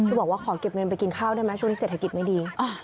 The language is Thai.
บอกว่าขอเก็บเงินไปกินข้าวได้ไหมช่วงนี้เศรษฐกิจไม่ดี